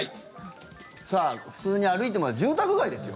普通に歩いて住宅街ですよ。